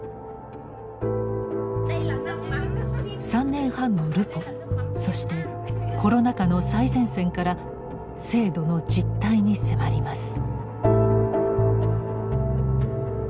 ３年半のルポそしてコロナ禍の最前線から制度の実態に迫ります。